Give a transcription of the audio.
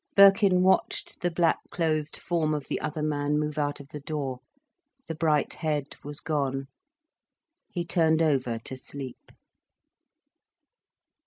Birkin watched the black clothed form of the other man move out of the door, the bright head was gone, he turned over to sleep.